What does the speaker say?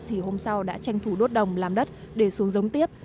thì hôm sau đã tranh thủ đốt đồng làm đất để xuống giống tiếp